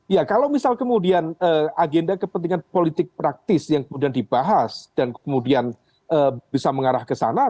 ya kalau misal kemudian agenda kepentingan politik praktis yang kemudian dibahas dan kemudian bisa mengarah ke sana